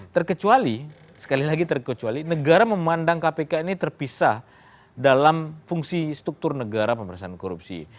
terkecuali sekali lagi terkecuali negara memandang kpk ini terpisah dalam fungsi struktur negara pemerintahan korupsi